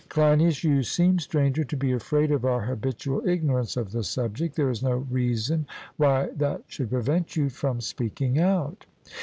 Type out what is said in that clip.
CLEINIAS: You seem, Stranger, to be afraid of our habitual ignorance of the subject: there is no reason why that should prevent you from speaking out.